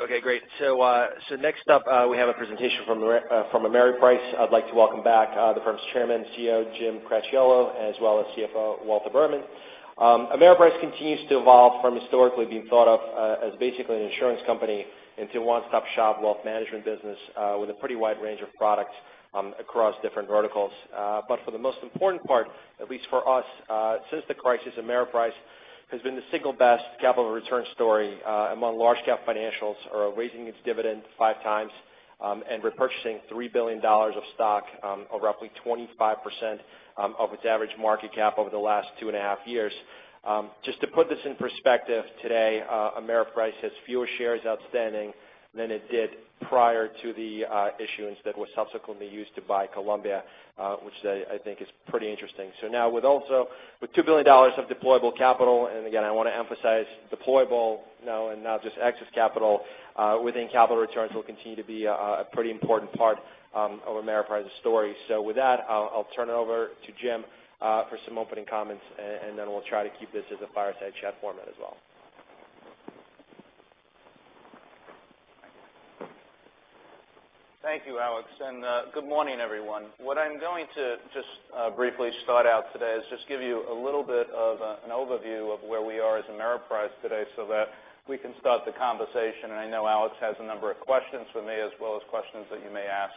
Okay, great. Next up, we have a presentation from Ameriprise. I'd like to welcome back the firm's Chairman and CEO, Jim Cracchiolo, as well as CFO, Walter Berman. Ameriprise continues to evolve from historically being thought of as basically an insurance company into a one-stop shop wealth management business with a pretty wide range of products across different verticals. For the most important part, at least for us, since the crisis, Ameriprise has been the single best capital return story among large cap financials, raising its dividend five times and repurchasing $3 billion of stock, or roughly 25% of its average market cap over the last two and a half years. Just to put this in perspective today, Ameriprise has fewer shares outstanding than it did prior to the issuance that was subsequently used to buy Columbia, which I think is pretty interesting. Now with $2 billion of deployable capital, and again, I want to emphasize deployable now and not just excess capital, within capital returns will continue to be a pretty important part of Ameriprise's story. With that, I'll turn it over to Jim for some opening comments, and then we'll try to keep this as a fireside chat format as well. Thank you, Alex, and good morning, everyone. What I'm going to just briefly start out today is just give you a little bit of an overview of where we are as Ameriprise today so that we can start the conversation. I know Alex has a number of questions for me as well as questions that you may ask.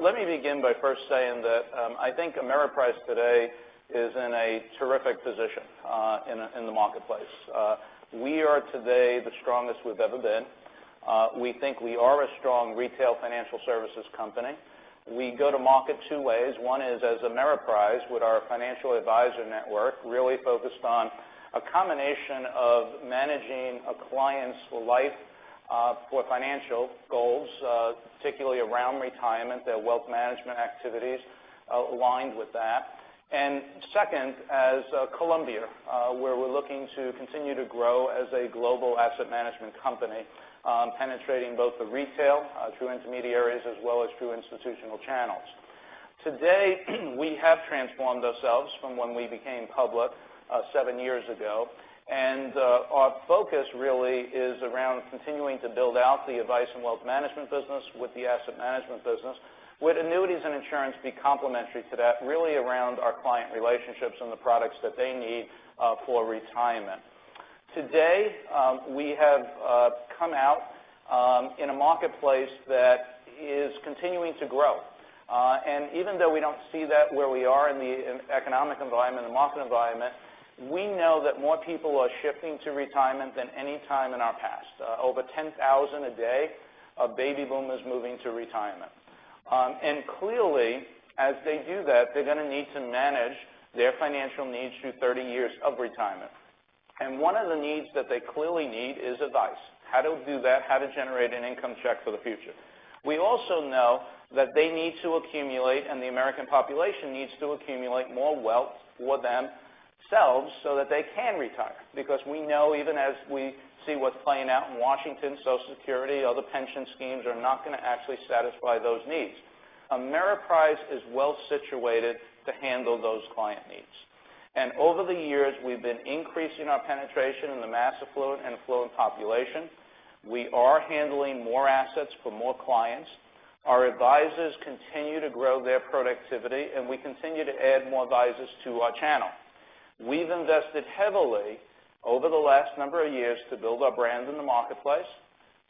Let me begin by first saying that I think Ameriprise today is in a terrific position in the marketplace. We are today the strongest we've ever been. We think we are a strong retail financial services company. We go to market two ways. One is as Ameriprise with our financial advisor network, really focused on a combination of managing a client's life for financial goals, particularly around retirement, their wealth management activities aligned with that. Second, as Columbia, where we're looking to continue to grow as a global asset management company, penetrating both the retail through intermediaries as well as through institutional channels. Today, we have transformed ourselves from when we became public seven years ago. Our focus really is around continuing to build out the advice and wealth management business with the asset management business, with annuities and insurance be complementary to that, really around our client relationships and the products that they need for retirement. Today, we have come out in a marketplace that is continuing to grow. Even though we don't see that where we are in the economic environment and market environment, we know that more people are shifting to retirement than any time in our past. Over 10,000 a day of baby boomers moving to retirement. Clearly, as they do that, they're going to need to manage their financial needs through 30 years of retirement. One of the needs that they clearly need is advice. How to do that, how to generate an income check for the future. We also know that they need to accumulate, and the American population needs to accumulate more wealth for themselves so that they can retire. We know even as we see what's playing out in Washington, Social Security, other pension schemes are not going to actually satisfy those needs. Ameriprise is well situated to handle those client needs. Over the years, we've been increasing our penetration in the mass affluent and affluent population. We are handling more assets for more clients. Our advisors continue to grow their productivity, and we continue to add more advisors to our channel. We've invested heavily over the last number of years to build our brand in the marketplace,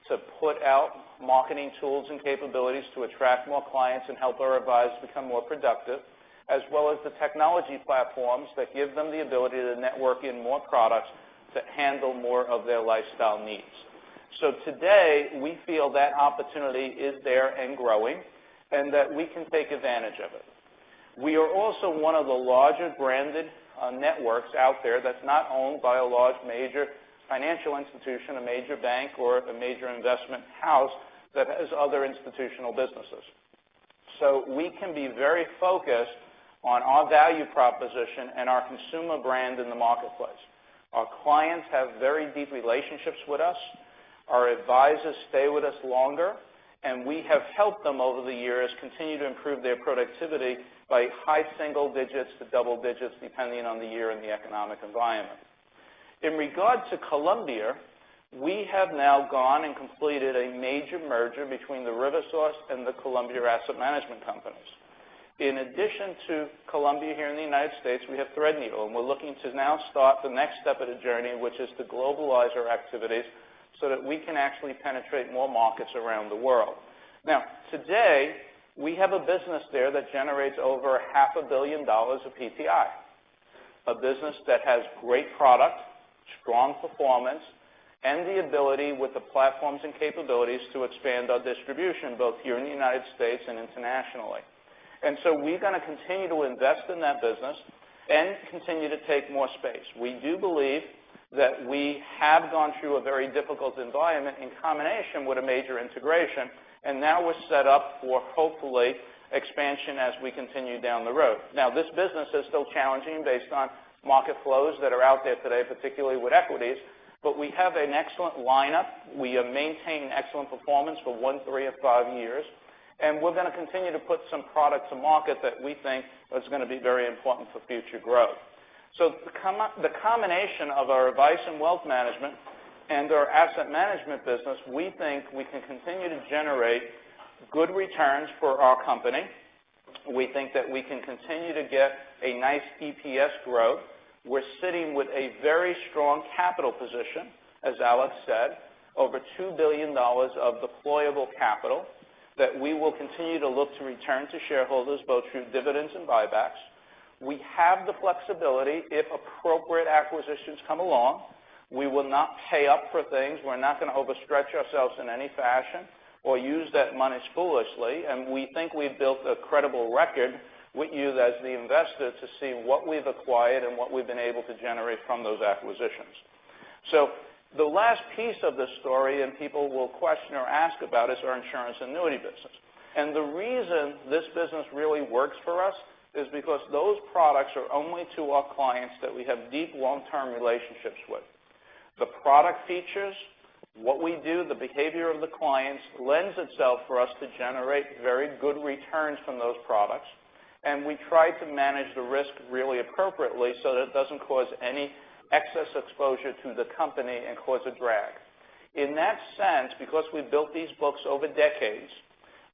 to put out marketing tools and capabilities to attract more clients and help our advisors become more productive, as well as the technology platforms that give them the ability to network in more products that handle more of their lifestyle needs. Today, we feel that opportunity is there and growing, and that we can take advantage of it. We are also one of the larger branded networks out there that's not owned by a large major financial institution, a major bank, or a major investment house that has other institutional businesses. We can be very focused on our value proposition and our consumer brand in the marketplace. Our clients have very deep relationships with us. Our advisors stay with us longer, and we have helped them over the years continue to improve their productivity by high single digits to double digits, depending on the year and the economic environment. In regard to Columbia, we have now gone and completed a major merger between the RiverSource and the Columbia asset management companies. In addition to Columbia here in the U.S., we have Threadneedle, and we're looking to now start the next step of the journey, which is to globalize our activities so that we can actually penetrate more markets around the world. Today, we have a business there that generates over $0.5 billion of PTI. A business that has great product, strong performance, and the ability with the platforms and capabilities to expand our distribution, both here in the U.S. and internationally. We're going to continue to invest in that business and continue to take more space. We do believe that we have gone through a very difficult environment in combination with a major integration, and now we're set up for, hopefully, expansion as we continue down the road. This business is still challenging based on market flows that are out there today, particularly with equities, but we have an excellent lineup. We maintain excellent performance for one, three, or five years, and we're going to continue to put some products to market that we think is going to be very important for future growth. The combination of our advice and wealth management and our asset management business, we think we can continue to generate good returns for our company. We think that we can continue to get a nice EPS growth. We're sitting with a very strong capital position, as Alex said, over $2 billion of deployable capital that we will continue to look to return to shareholders, both through dividends and buybacks. We have the flexibility if appropriate acquisitions come along. We will not pay up for things. We're not going to overstretch ourselves in any fashion or use that money foolishly, and we think we've built a credible record with you as the investor to see what we've acquired and what we've been able to generate from those acquisitions. The last piece of this story, and people will question or ask about, is our insurance annuity business. The reason this business really works for us is because those products are only to our clients that we have deep long-term relationships with. The product features, what we do, the behavior of the clients lends itself for us to generate very good returns from those products, and we try to manage the risk really appropriately so that it doesn't cause any excess exposure to the company and cause a drag. In that sense, because we built these books over decades,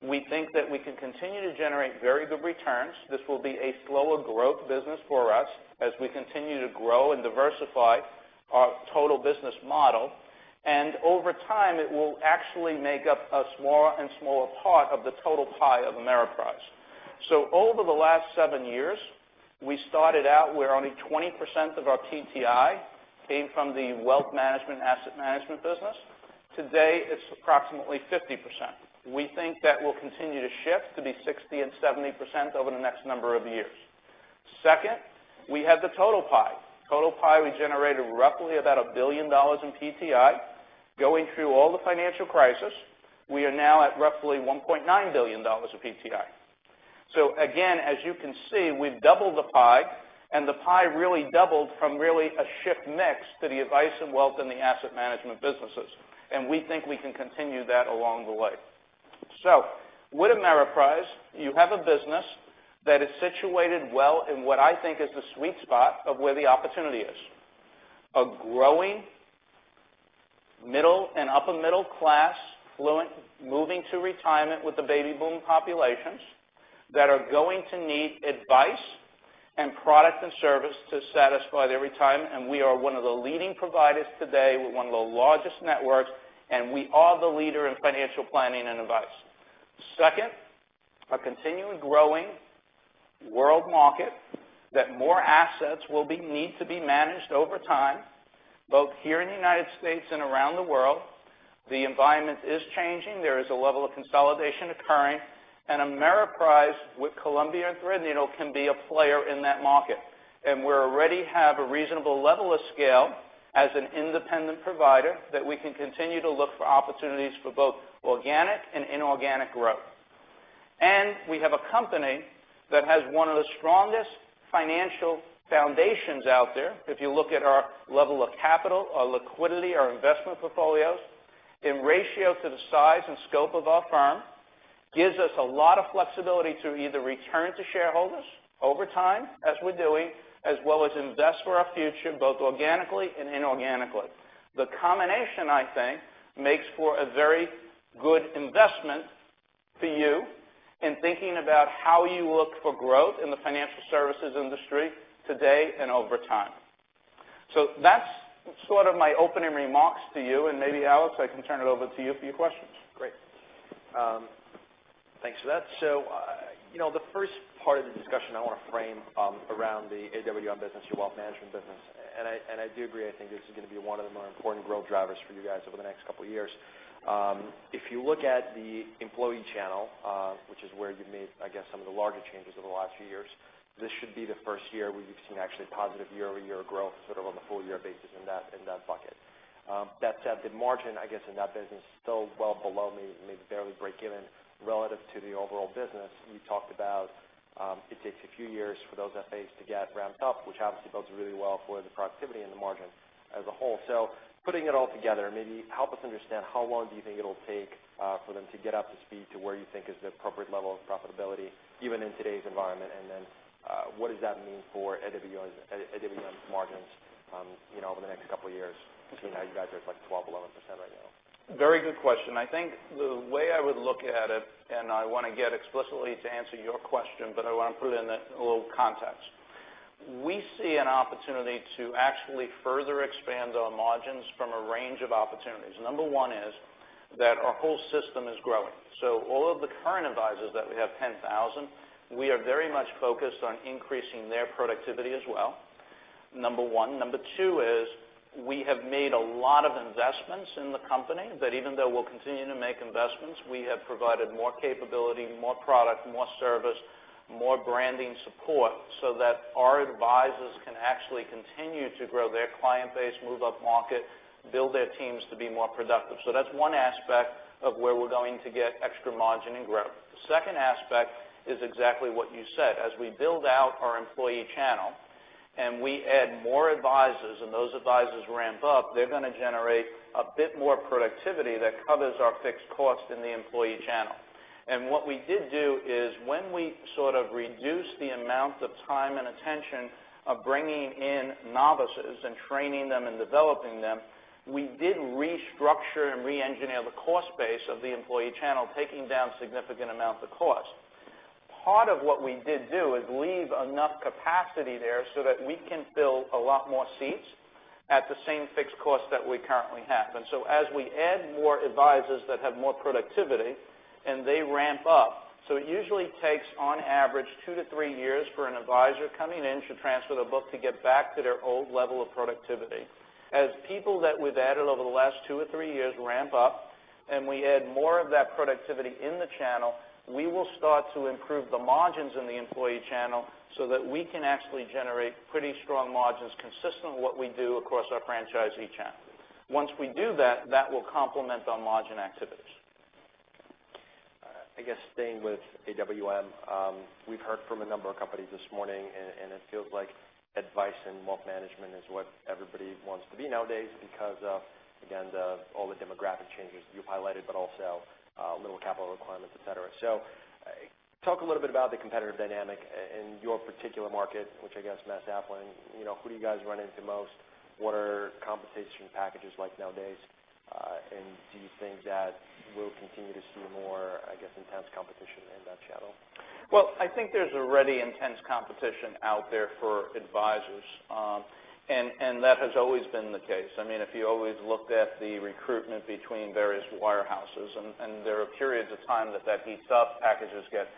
we think that we can continue to generate very good returns. This will be a slower growth business for us as we continue to grow and diversify our total business model. Over time, it will actually make up a smaller and smaller part of the total pie of Ameriprise. Over the last seven years, we started out where only 20% of our PTI came from the wealth management asset management business. Today, it's approximately 50%. We think that will continue to shift to be 60% and 70% over the next number of years. Second, we have the total pie. Total pie, we generated roughly about $1 billion in PTI going through all the financial crisis. We are now at roughly $1.9 billion of PTI. Again, as you can see, we've doubled the pie, and the pie really doubled from really a shift mix to the advice and wealth in the asset management businesses. We think we can continue that along the way. With Ameriprise, you have a business that is situated well in what I think is the sweet spot of where the opportunity is. A growing middle and upper middle class, affluent, moving to retirement with the baby boom populations that are going to need advice and product and service to satisfy their retirement. We are one of the leading providers today with one of the largest networks, and we are the leader in financial planning and advice. Second, a continuing growing world market that more assets will need to be managed over time, both here in the U.S. and around the world. The environment is changing. There is a level of consolidation occurring, and Ameriprise with Columbia Threadneedle can be a player in that market. We already have a reasonable level of scale as an independent provider that we can continue to look for opportunities for both organic and inorganic growth. We have a company that has one of the strongest financial foundations out there. If you look at our level of capital, our liquidity, our investment portfolios in ratio to the size and scope of our firm, gives us a lot of flexibility to either return to shareholders over time as we're doing, as well as invest for our future, both organically and inorganically. The combination, I think, makes for a very good investment for you in thinking about how you look for growth in the financial services industry today and over time. That's sort of my opening remarks to you, and maybe, Alex, I can turn it over to you for your questions. Great. Thanks for that. The first part of the discussion I want to frame around the AWM business, your wealth management business. I do agree, I think this is going to be one of the more important growth drivers for you guys over the next couple of years. If you look at the employee channel, which is where you've made, I guess, some of the larger changes over the last few years, this should be the first year where you've seen actually positive year-over-year growth sort of on a full year basis in that bucket. That said, the margin, I guess, in that business is still well below maybe barely break even relative to the overall business. You talked about it takes a few years for those FAs to get ramped up, which obviously bodes really well for the productivity and the margin as a whole. Putting it all together, maybe help us understand how long do you think it'll take for them to get up to speed to where you think is the appropriate level of profitability even in today's environment? What does that mean for AWM's margins over the next couple of years, given how you guys are at like 12%, 11% right now? Very good question. I think the way I would look at it, and I want to get explicitly to answer your question, but I want to put it in a little context. We see an opportunity to actually further expand our margins from a range of opportunities. Number one is that our whole system is growing. All of the current advisors that we have, 10,000, we are very much focused on increasing their productivity as well. Number one. Number two is we have made a lot of investments in the company that even though we'll continue to make investments, we have provided more capability, more product, more service, more branding support so that our advisors can actually continue to grow their client base, move up market, build their teams to be more productive. That's one aspect of where we're going to get extra margin and growth. The second aspect is exactly what you said. As we build out our employee channel and we add more advisors and those advisors ramp up, they're going to generate a bit more productivity that covers our fixed cost in the employee channel. What we did do is when we sort of reduced the amount of time and attention of bringing in novices and training them and developing them, we did restructure and re-engineer the cost base of the employee channel, taking down significant amounts of cost. Part of what we did do is leave enough capacity there so that we can fill a lot more seats at the same fixed cost that we currently have. As we add more advisors that have more productivity and they ramp up, it usually takes on average two to three years for an advisor coming in to transfer their book to get back to their old level of productivity. As people that we've added over the last two or three years ramp up and we add more of that productivity in the channel, we will start to improve the margins in the employee channel so that we can actually generate pretty strong margins consistent with what we do across our franchisee channel. Once we do that will complement on margin activities. I guess staying with AWM, we've heard from a number of companies this morning. It feels like advice and wealth management is what everybody wants to be nowadays because of, again, all the demographic changes you highlighted, but also little capital requirements, et cetera. Talk a little bit about the competitive dynamic in your particular market, which I guess mass affluent. Who do you guys run into most? What are compensation packages like nowadays? Do you think that we'll continue to see more, I guess, intense competition in that channel? Well, I think there's already intense competition out there for advisors. That has always been the case. If you always looked at the recruitment between various wirehouses, and there are periods of time that heats up, packages get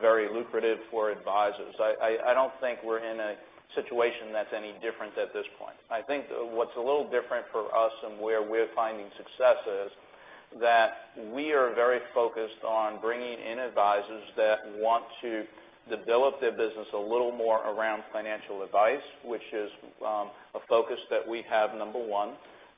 very lucrative for advisors. I don't think we're in a situation that's any different at this point. I think what's a little different for us and where we're finding success is that we are very focused on bringing in advisors that want to develop their business a little more around financial advice, which is a focus that we have, number one.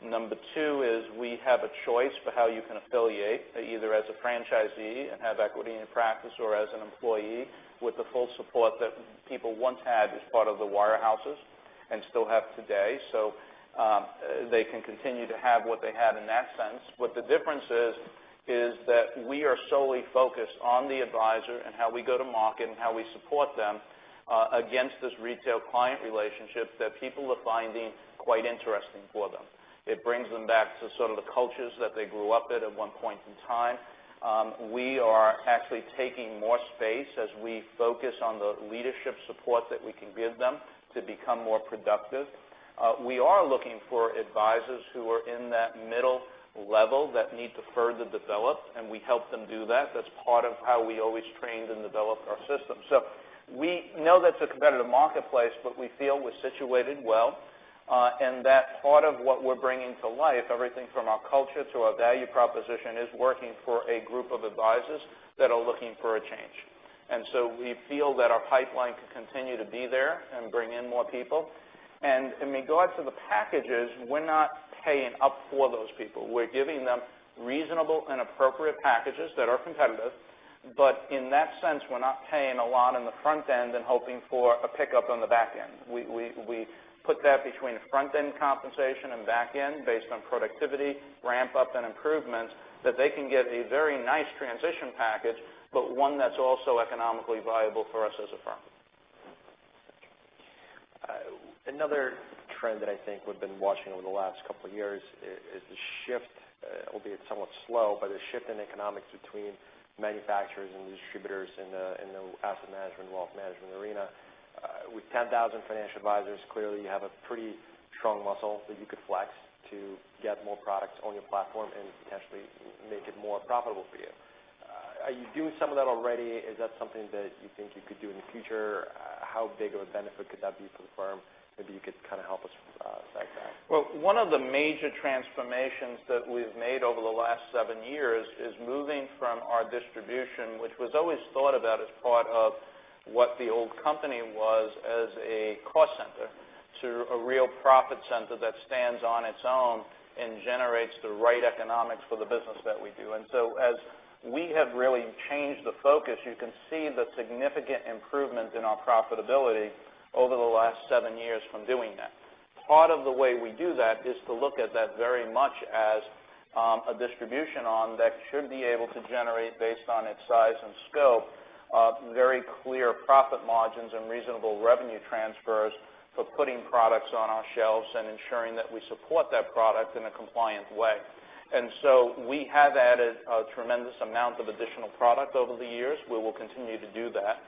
Number two is we have a choice for how you can affiliate, either as a franchisee and have equity in practice or as an employee with the full support that people once had as part of the wirehouses and still have today. They can continue to have what they had in that sense. What the difference is that we are solely focused on the advisor and how we go to market and how we support them against this retail client relationship that people are finding quite interesting for them. It brings them back to sort of the cultures that they grew up in at one point in time. We are actually taking more space as we focus on the leadership support that we can give them to become more productive. We are looking for advisors who are in that middle level that need to further develop, and we help them do that. That's part of how we always trained and developed our system. We know that it's a competitive marketplace, we feel we're situated well, and that part of what we're bringing to life, everything from our culture to our value proposition, is working for a group of advisors that are looking for a change. We feel that our pipeline can continue to be there and bring in more people. In regards to the packages, we're not paying up for those people. We're giving them reasonable and appropriate packages that are competitive, but in that sense, we're not paying a lot on the front end and hoping for a pickup on the back end. We put that between front-end compensation and back end based on productivity, ramp up, and improvements that they can get a very nice transition package, but one that's also economically viable for us as a firm. Another trend that I think we've been watching over the last couple of years is the shift, albeit somewhat slow, a shift in economics between manufacturers and distributors in the asset management and wealth management arena. With 10,000 financial advisors, clearly you have a pretty strong muscle that you could flex to get more products on your platform and potentially make it more profitable for you. Are you doing some of that already? Is that something that you think you could do in the future? How big of a benefit could that be for the firm? Maybe you could kind of help us dissect that. One of the major transformations that we've made over the last seven years is moving from our distribution, which was always thought about as part of what the old company was as a cost center to a real profit center that stands on its own and generates the right economics for the business that we do. As we have really changed the focus, you can see the significant improvement in our profitability over the last seven years from doing that. Part of the way we do that is to look at that very much as a distribution arm that should be able to generate, based on its size and scope, very clear profit margins and reasonable revenue transfers for putting products on our shelves and ensuring that we support that product in a compliant way. We have added a tremendous amount of additional product over the years. We will continue to do that.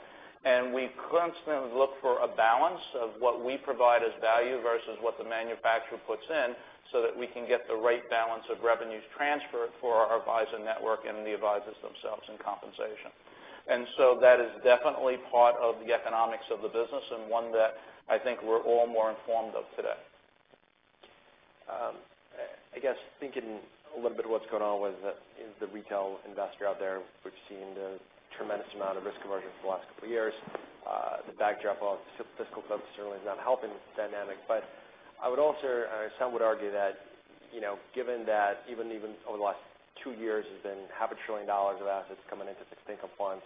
We constantly look for a balance of what we provide as value versus what the manufacturer puts in so that we can get the right balance of revenues transfer for our advisor network and the advisors themselves in compensation. That is definitely part of the economics of the business and one that I think we're all more informed of today. I guess thinking a little bit of what's going on with the retail investor out there, we've seen the tremendous amount of risk aversion for the last couple of years. The backdrop of fiscal focus certainly is not helping this dynamic, but I would also, or some would argue that given that even over the last 2 years there's been half a trillion dollars of assets coming into fixed income funds.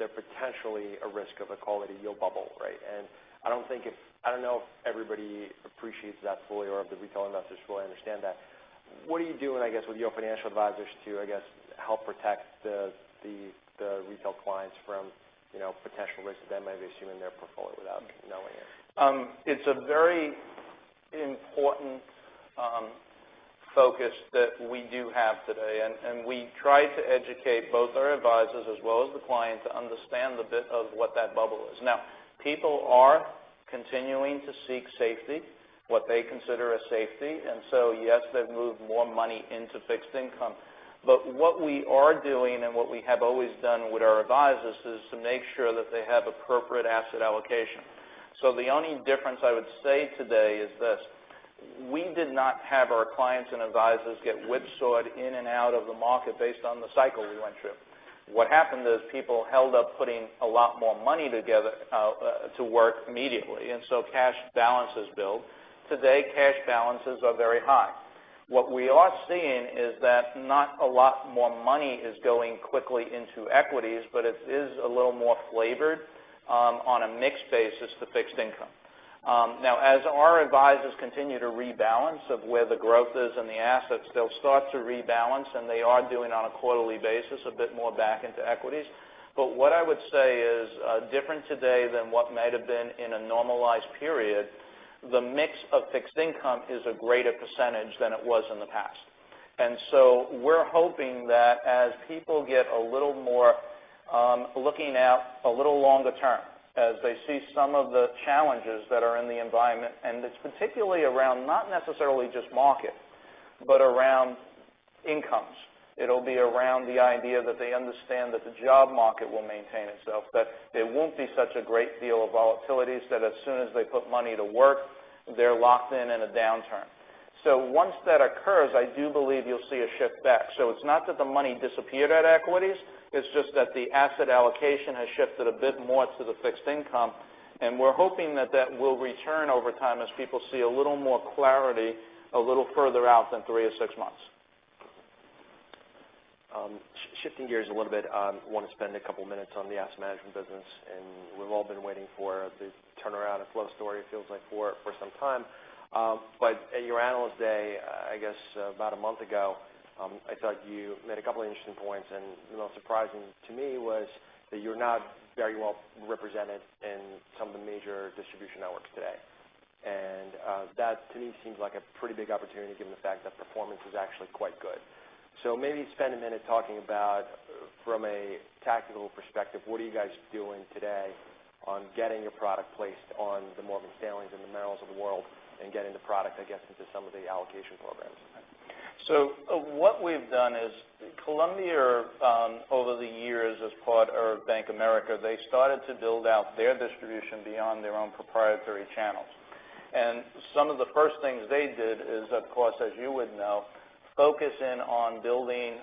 There's potentially a risk of a quality yield bubble, right? I don't know if everybody appreciates that fully or if the retail investors fully understand that. What are you doing, I guess, with your Financial Advisors to help protect the retail clients from potential risks that they might be assuming in their portfolio without knowing it? It's a very important focus that we do have today. We try to educate both our Financial Advisors as well as the client to understand a bit of what that bubble is. People are continuing to seek safety, what they consider a safety, yes, they've moved more money into fixed income. What we are doing, and what we have always done with our Financial Advisors, is to make sure that they have appropriate asset allocation. The only difference I would say today is this, we did not have our clients and Financial Advisors get whipsawed in and out of the market based on the cycle we went through. What happened is people held up putting a lot more money to work immediately, cash balances build. Today, cash balances are very high. What we are seeing is that not a lot more money is going quickly into equities, but it is a little more flavored on a mixed basis to fixed income. As our Financial Advisors continue to rebalance of where the growth is in the assets, they'll start to rebalance, and they are doing on a quarterly basis, a bit more back into equities. What I would say is, different today than what might've been in a normalized period, the mix of fixed income is a greater percentage than it was in the past. We're hoping that as people get a little more looking out a little longer term, as they see some of the challenges that are in the environment, and it's particularly around not necessarily just market, but around incomes. It'll be around the idea that they understand that the job market will maintain itself, that there won't be such a great deal of volatility, so that as soon as they put money to work, they're locked in in a downturn. Once that occurs, I do believe you'll see a shift back. It's not that the money disappeared at equities, it's just that the asset allocation has shifted a bit more to the fixed income, and we're hoping that that will return over time as people see a little more clarity a little further out than three to six months. Shifting gears a little bit, I want to spend a couple of minutes on the asset management business. We've all been waiting for the turnaround and flow story, it feels like, for some time. At your Analyst Day, I guess about a month ago, I thought you made a couple of interesting points, and the most surprising to me was that you're not very well represented in some of the major distribution networks today. That to me seems like a pretty big opportunity given the fact that performance is actually quite good. Maybe spend a minute talking about from a tactical perspective, what are you guys doing today on getting a product placed on the Morgan Stanley and the Merrill of the world, and getting the product, I guess, into some of the allocation programs? What we've done is Columbia, over the years as part of Bank of America, they started to build out their distribution beyond their own proprietary channels. Some of the first things they did is, of course, as you would know, focus in on building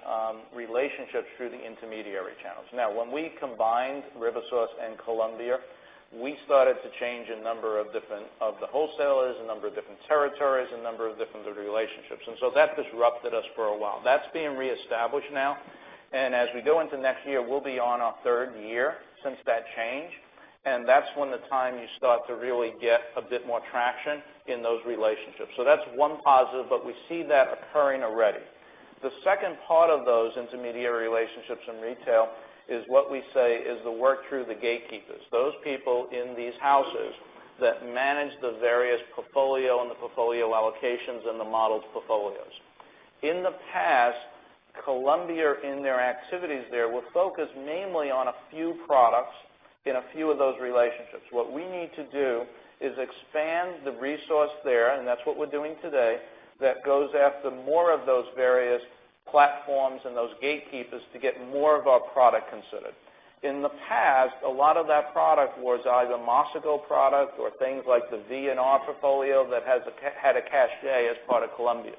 relationships through the intermediary channels. Now, when we combined RiverSource and Columbia, we started to change a number of the wholesalers, a number of different territories, a number of different relationships, that disrupted us for a while. That's being reestablished now, and as we go into next year, we'll be on our third year since that change, and that's when the time you start to really get a bit more traction in those relationships. That's one positive, but we see that occurring already. The second part of those intermediary relationships in retail is what we say is the work through the gatekeepers. Those people in these houses that manage the various portfolio, and the portfolio allocations, and the modeled portfolios. In the past, Columbia in their activities there would focus mainly on a few products in a few of those relationships. What we need to do is expand the resource there, and that's what we're doing today, that goes after more of those various platforms and those gatekeepers to get more of our product considered. In the past, a lot of that product was either MassMutual product or things like the Variable Products portfolios that had a cachet as part of Columbia.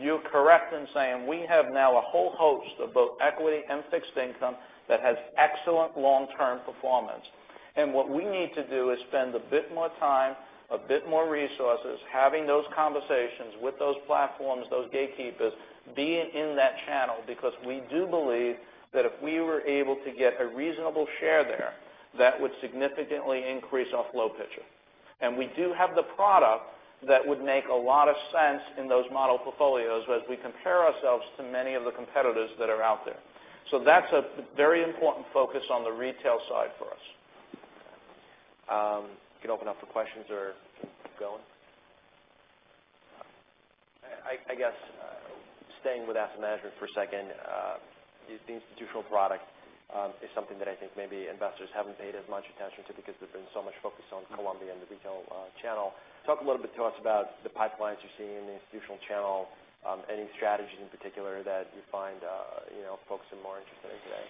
You're correct in saying we have now a whole host of both equity and fixed income that has excellent long-term performance. What we need to do is spend a bit more time, a bit more resources, having those conversations with those platforms, those gatekeepers, being in that channel, because we do believe that if we were able to get a reasonable share there, that would significantly increase our flow picture. We do have the product that would make a lot of sense in those model portfolios as we compare ourselves to many of the competitors that are out there. That's a very important focus on the retail side for us. You can open up for questions or keep going. I guess staying with asset management for a second, the institutional product is something that I think maybe investors haven't paid as much attention to because there's been so much focus on Columbia and the retail channel. Talk a little bit to us about the pipelines you're seeing in the institutional channel, any strategies in particular that you find folks are more interested in today?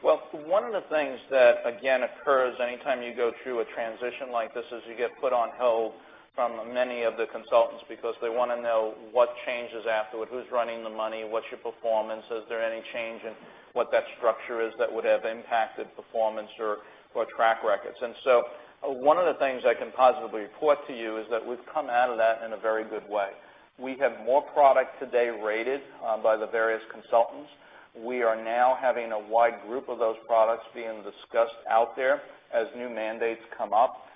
One of the things that again occurs anytime you go through a transition like this is you get put on hold from many of the consultants because they want to know what changes afterward. Who's running the money? What's your performance? Is there any change in what that structure is that would have impacted? Performance or track records. One of the things I can positively report to you is that we've come out of that in a very good way. We have more product today rated by the various consultants. We are now having a wide group of those products being discussed out there as new mandates come up.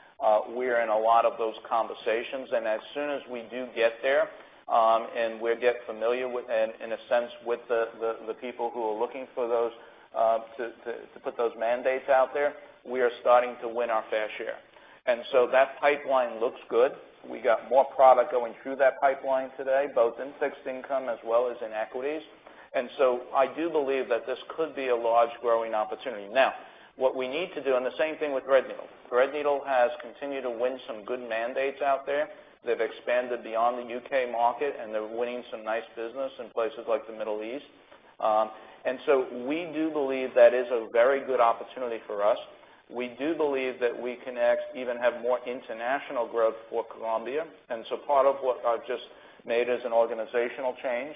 We're in a lot of those conversations, as soon as we do get there, and we get familiar, in a sense, with the people who are looking to put those mandates out there, we are starting to win our fair share. That pipeline looks good. We got more product going through that pipeline today, both in fixed income as well as in equities. I do believe that this could be a large growing opportunity. Now, what we need to do, and the same thing with Threadneedle. Threadneedle has continued to win some good mandates out there. They've expanded beyond the U.K. market, and they're winning some nice business in places like the Middle East. We do believe that is a very good opportunity for us. We do believe that we can actually even have more international growth for Columbia. Part of what I've just made is an organizational change.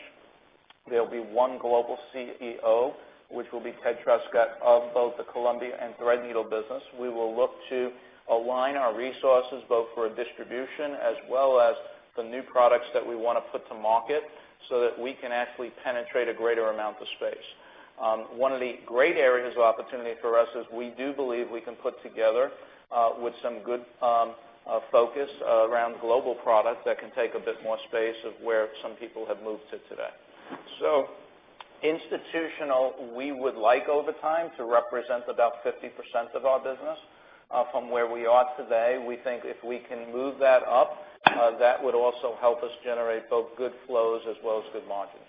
There'll be one global CEO, which will be Ted Truscott of both the Columbia and Threadneedle business. We will look to align our resources, both for distribution as well as the new products that we want to put to market so that we can actually penetrate a greater amount of space. One of the great areas of opportunity for us is we do believe we can put together with some good focus around global product that can take a bit more space of where some people have moved to today. Institutional, we would like over time to represent about 50% of our business from where we are today. We think if we can move that up, that would also help us generate both good flows as well as good margins.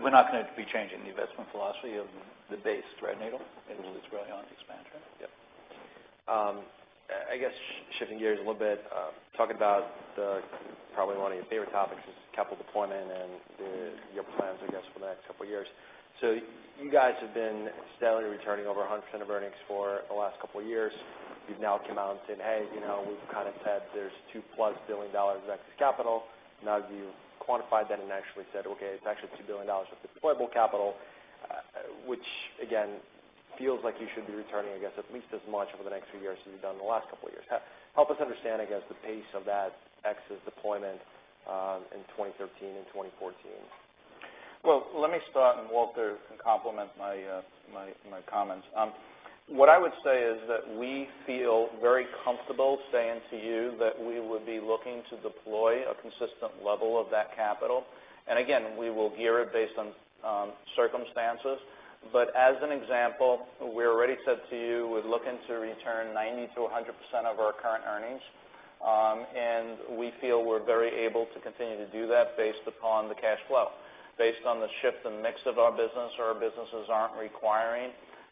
We're not going to be changing the investment philosophy of the base Threadneedle. It's really on expansion. Yep. I guess shifting gears a little bit, talking about probably one of your favorite topics is capital deployment and your plans, I guess, for the next couple of years. You guys have been steadily returning over 100% of earnings for the last couple of years. You've now come out and said, "Hey, we've kind of had, there's $2 plus billion of excess capital." Now that you've quantified that and actually said, "Okay, it's actually $2 billion of deployable capital." Which again feels like you should be returning, I guess, at least as much over the next few years as you've done in the last couple of years. Help us understand, I guess, the pace of that excess deployment in 2013 and 2014. Well, let me start and Walter can complement my comments. What I would say is that we feel very comfortable saying to you that we would be looking to deploy a consistent level of that capital. Again, we will gear it based on circumstances. As an example, we already said to you, we're looking to return 90% to 100% of our current earnings. We feel we're very able to continue to do that based upon the cash flow. Based on the shift in mix of our business or our businesses aren't requiring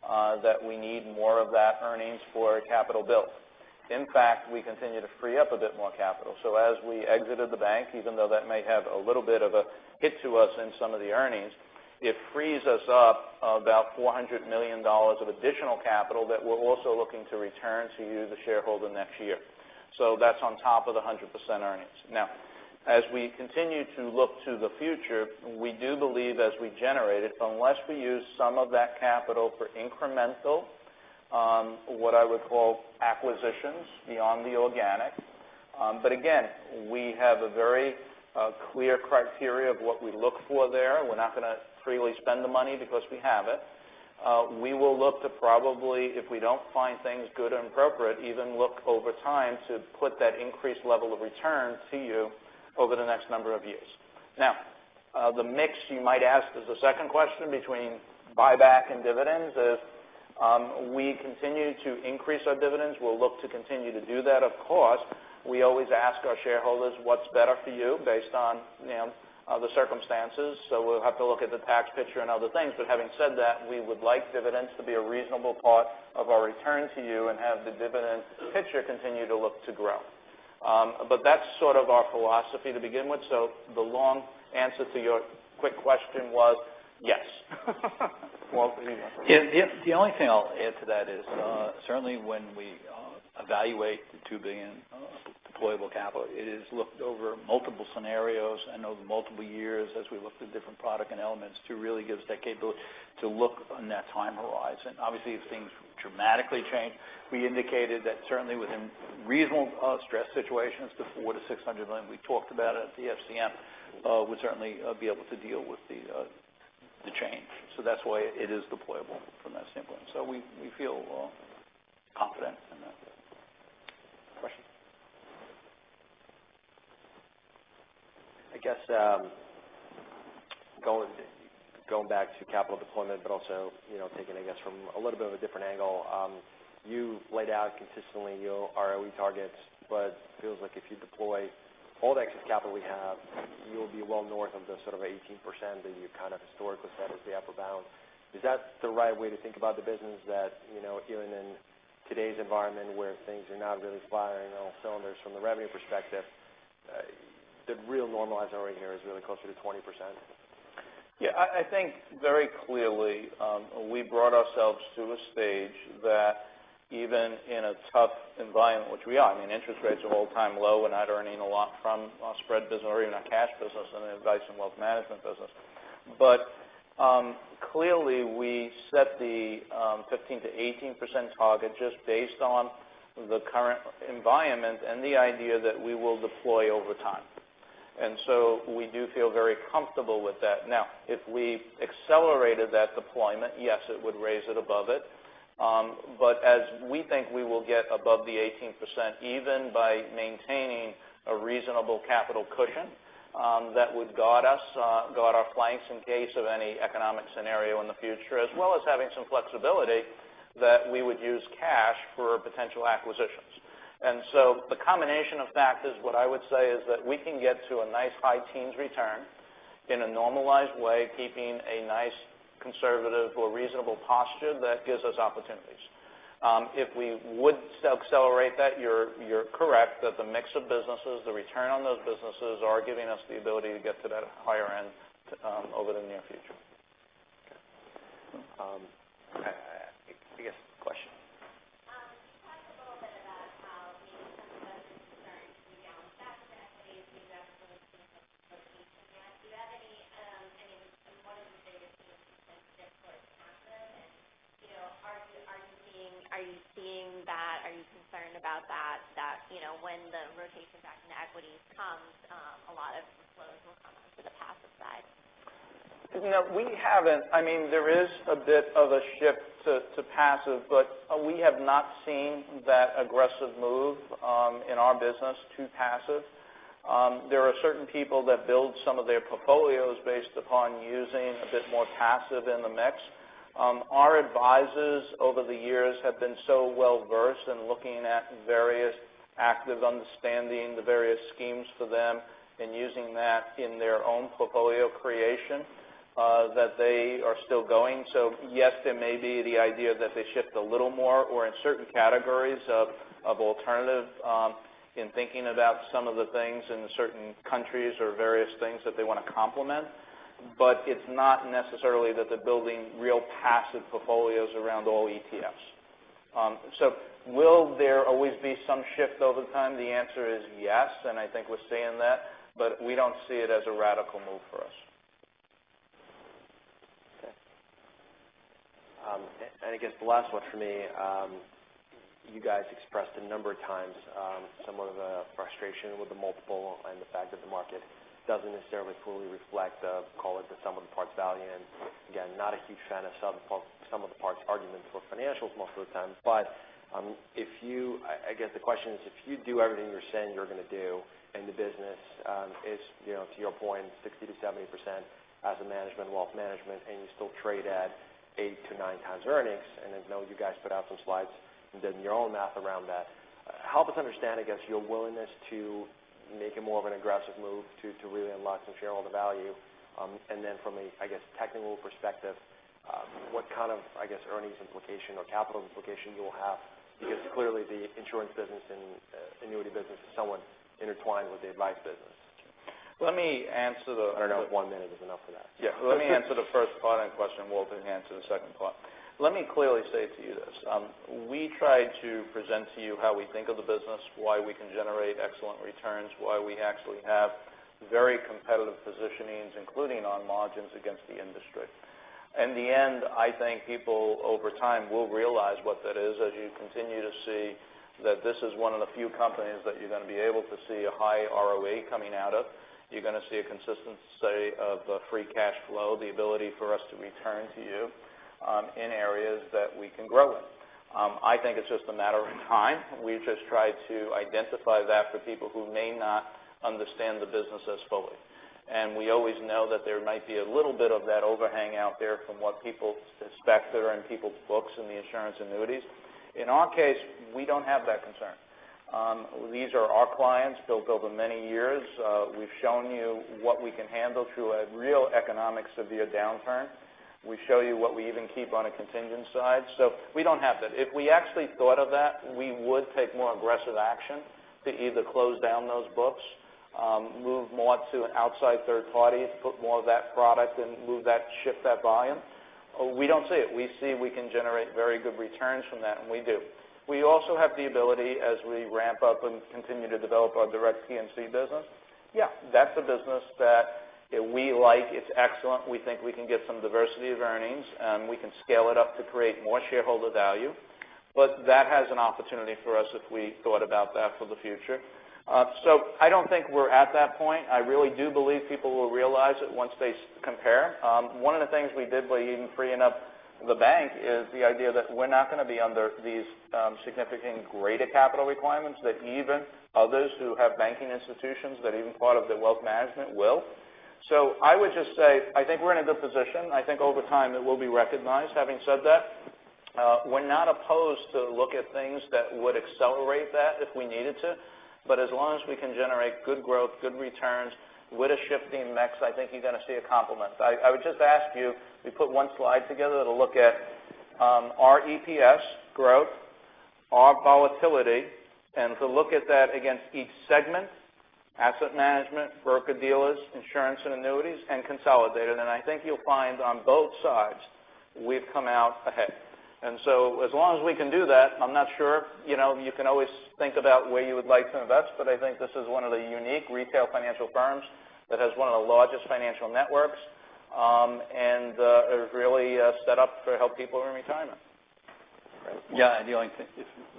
that we need more of that earnings for capital build. In fact, we continue to free up a bit more capital. As we exited the bank, even though that may have a little bit of a hit to us in some of the earnings, it frees us up about $400 million of additional capital that we're also looking to return to you, the shareholder, next year. That's on top of the 100% earnings. As we continue to look to the future, we do believe as we generate it, unless we use some of that capital for incremental, what I would call acquisitions beyond the organic. Again, we have a very clear criteria of what we look for there. We're not going to freely spend the money because we have it. We will look to probably, if we don't find things good and appropriate, even look over time to put that increased level of return to you over the next number of years. The mix you might ask as the second question between buyback and dividends is, we continue to increase our dividends. We'll look to continue to do that. Of course, we always ask our shareholders what's better for you based on the circumstances. We'll have to look at the tax picture and other things. Having said that, we would like dividends to be a reasonable part of our return to you and have the dividend picture continue to look to grow. That's sort of our philosophy to begin with. The long answer to your quick question was yes. Walter. The only thing I'll add to that is certainly when we evaluate the $2 billion deployable capital, it is looked over multiple scenarios and over multiple years as we look through different product and elements to really give us that capability to look on that time horizon. Obviously, if things dramatically change, we indicated that certainly within reasonable stress situations, the $400 million to $600 million we talked about at the FAD would certainly be able to deal with the change. That's why it is deployable from that standpoint. We feel confident in that. Question. Going back to capital deployment, also taking, I guess, from a little bit of a different angle. You laid out consistently your ROE targets, feels like if you deploy all the excess capital we have, you'll be well north of the sort of 18% that you kind of historically set as the upper bound. Is that the right way to think about the business that even in today's environment where things are not really firing on all cylinders from the revenue perspective, the real normalized ROE here is really closer to 20%? Yeah. I think very clearly we brought ourselves to a stage that even in a tough environment, which we are. I mean, interest rates are all-time low. We're not earning a lot from our spread business or even our cash business in the advice and wealth management business. Clearly, we set the 15%-18% target just based on the current environment and the idea that we will deploy over time. We do feel very comfortable with that. Now, if we accelerated that deployment, yes, it would raise it above it. As we think we will get above the 18%, even by maintaining a reasonable capital cushion that would guard our flanks in case of any economic scenario in the future, as well as having some flexibility that we would use cash for potential acquisitions. The combination of that is, what I would say is that we can get to a nice high teens return in a normalized way, keeping a nice conservative or reasonable posture that gives us opportunities. If we would accelerate that, you're correct that the mix of businesses, the return on those businesses are giving us the ability to get to that higher end over the near future. Okay. I guess, question. You talked a little bit about how maybe some investors are starting to rebalance back into equities. We definitely have seen that rotation yet. Are you seeing that from one of the biggest, you know, defensive or passive? Are you concerned about that, when the rotation back into equities comes, a lot of flows will come onto the passive side? We haven't. There is a bit of a shift to passive, but we have not seen that aggressive move in our business to passive. There are certain people that build some of their portfolios based upon using a bit more passive in the mix. Our advisors over the years have been so well-versed in looking at various active understanding, the various schemes for them, and using that in their own portfolio creation, that they are still going. Yes, there may be the idea that they shift a little more or in certain categories of alternative, in thinking about some of the things in certain countries or various things that they want to complement. It's not necessarily that they're building real passive portfolios around all ETFs. Will there always be some shift over time? The answer is yes, and I think we're seeing that, but we don't see it as a radical move for us. Okay. I guess the last one for me. You guys expressed a number of times, somewhat of a frustration with the multiple and the fact that the market doesn't necessarily fully reflect the, call it, the sum of the parts value. Again, not a huge fan of sum of the parts argument for financials most of the time. I guess the question is, if you do everything you're saying you're going to do, and the business is, to your point, 60%-70% as a management and wealth management, and you still trade at 8-9 times earnings, and I know you guys put out some slides and did your own math around that. Help us understand, I guess, your willingness to make it more of an aggressive move to really unlock some shareholder value. From a, I guess, technical perspective, what kind of earnings implication or capital implication you will have, because clearly the insurance business and annuity business is somewhat intertwined with the advice business. Let me answer. I don't know if one minute is enough for that. Yeah. Let me answer the first part of the question, Walter, and then answer the second part. Let me clearly say to you this. We try to present to you how we think of the business, why we can generate excellent returns, why we actually have very competitive positionings, including on margins against the industry. In the end, I think people over time will realize what that is, as you continue to see that this is one of the few companies that you're going to be able to see a high ROE coming out of. You're going to see a consistent study of the free cash flow, the ability for us to return to you in areas that we can grow in. I think it's just a matter of time. We've just tried to identify that for people who may not understand the business as fully. We always know that there might be a little bit of that overhang out there from what people expect that are in people's books in the insurance annuities. In our case, we don't have that concern. These are our clients built over many years. We've shown you what we can handle through a real economic severe downturn. We show you what we even keep on a contingent side. We don't have that. If we actually thought of that, we would take more aggressive action to either close down those books, move more to outside third parties, put more of that product, and move that, shift that volume. We don't see it. We see we can generate very good returns from that, and we do. We also have the ability as we ramp up and continue to develop our direct P&C business. Yeah, that's a business that we like. It's excellent. We think we can get some diversity of earnings, and we can scale it up to create more shareholder value. That has an opportunity for us if we thought about that for the future. I don't think we're at that point. I really do believe people will realize it once they compare. One of the things we did by even freeing up the bank is the idea that we're not going to be under these significant greater capital requirements that even others who have banking institutions, that even thought of their wealth management will. I would just say, I think we're in a good position. I think over time it will be recognized. Having said that, we're not opposed to look at things that would accelerate that if we needed to. As long as we can generate good growth, good returns with a shifting mix, I think you're going to see a complement. I would just ask you, we put one slide together to look at our EPS growth, our volatility, and to look at that against each segment, asset management, broker-dealers, insurance and annuities, and consolidated. I think you'll find on both sides we've come out ahead. As long as we can do that, I'm not sure. You can always think about where you would like to invest, but I think this is one of the unique retail financial firms that has one of the largest financial networks, and is really set up to help people in retirement. Great. The only thing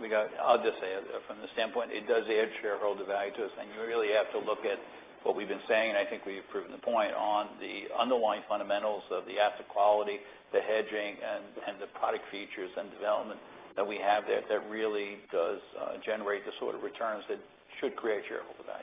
we got, I'll just say from the standpoint, it does add shareholder value to this, and you really have to look at what we've been saying, and I think we've proven the point on the underlying fundamentals of the asset quality, the hedging, and the product features and development that we have there that really does generate the sort of returns that should create shareholder value.